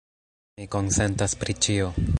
Mi konsentas pri ĉio.